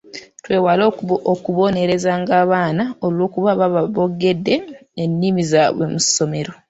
Twewale okubonerezanga abaana olwokuba baba boogedde ennimi zaabwe mu masomero.